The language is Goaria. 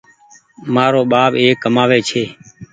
مآرو ٻآپ ايڪ ڪمآوي ڇي